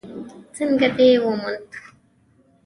_څنګه دې وموند؟